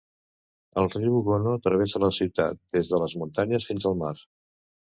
El riu Gono travessa la ciutat, des de les muntanyes fins al mar.